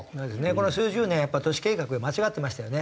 この数十年やっぱり都市計画が間違ってましたよね。